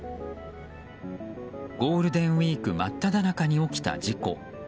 ゴールデンウィーク真っただ中に起きた事故。